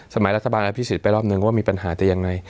สมัยรัฐบาลอภิสิตไปรอบหนึ่งว่ามีปัญหาจะยังไง